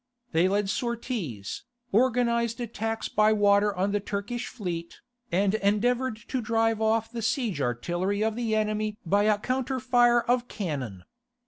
They led sorties, organized attacks by water on the Turkish fleet, and endeavoured to drive off the siege artillery of the enemy by a counter fire of cannon.